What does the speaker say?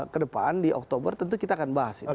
kedepan di oktober tentu kita akan bahas itu